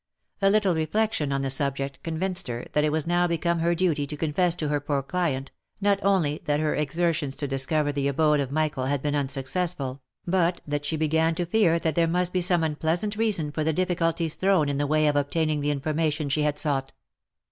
A little reflection on the subject convinced her that it was now become her duty to confess to her poor client, not only that her exertions to discover the abode of Michael had been unsuccessful, but that she began to fear that there must be some unpleasant reason for the difficulties thrown in the way of obtaining the information she had sought.